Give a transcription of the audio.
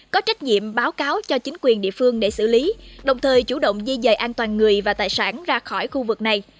có trách nhiệm báo cáo cho chính quyền địa phương để xử lý đồng thời chủ động di dời an toàn người và tài sản ra khỏi khu vực này